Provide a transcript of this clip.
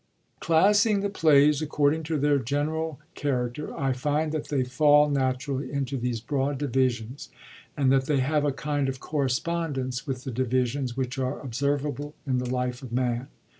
Classing the plays according to their general char acter, I find that they fall naturally into these broad divisions, and that they have a kind of correspondence with the divisions which are observable in the life of man.